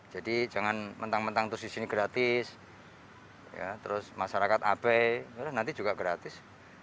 jadi jangan mentang mentang terus disini gratis terus masyarakat abai nanti juga gratis